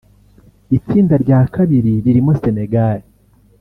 Itsinda rya kabiri ririmo Senegal